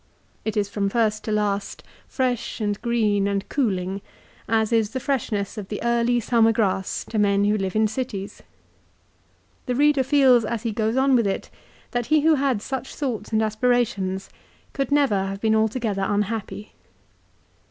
It is from first to last fresh and green and cooling, as is the freshness of the early summer grass to men who live in cities. The reader feels as he goes on with it that he who had such thoughts and aspirations could never have been altogether unhappy.